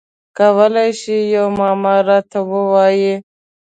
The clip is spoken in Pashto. کولای شی یوه معما راته ووایی؟